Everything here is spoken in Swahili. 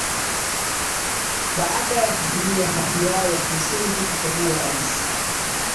baada ya kutumia haki yao ya kimsingi kuchagua raisi